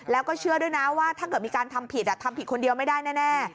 แล้วก็เชื่อด้วยนะว่าถ้าเกิดมีการทำผิดทำผิดคนเดียวไม่ได้แน่